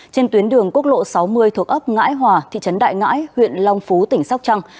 trên tuyến đường quốc lộ sáu mươi thuộc ấp ngãi hòa thị trấn đại ngãi huyện long phú tỉnh sóc trăng